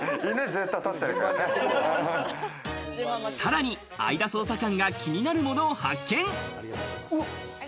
さらに相田捜査官が気になるものを発見。